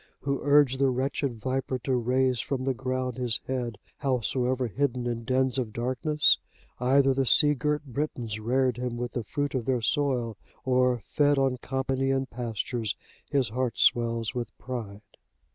Who urged the wretched viper to raise from the ground his head, howsoever hidden in dens of darkness? Either the sea girt Britons reared him with the fruit of their soil, or fed on Campanian pastures his heart swells with pride.